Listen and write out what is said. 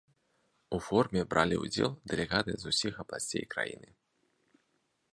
У форуме бралі ўдзел дэлегаты з усіх абласцей краіны.